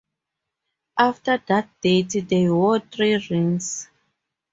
After that date they wore three rings.